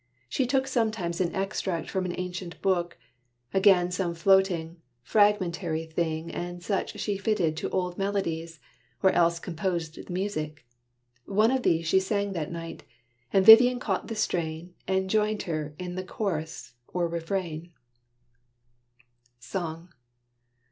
She took Sometimes an extract from an ancient book; Again some floating, fragmentary thing And such she fitted to old melodies, Or else composed the music. One of these She sang that night; and Vivian caught the strain, And joined her in the chorus, or refrain, SONG.